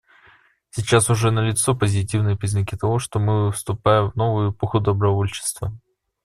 Сейчас уже налицо позитивные признаки того, что мы вступаем в новую эпоху добровольчества.